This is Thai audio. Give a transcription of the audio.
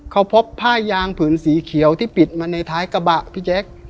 เขาพบผ้ายางผืนสีเขียวที่ปิดมาในท้ายกระบะพี่แจ๊ค